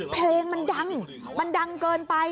เพลงมันดังมันดังเกินไป